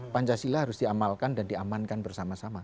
pancasila harus diamalkan dan diamankan bersama sama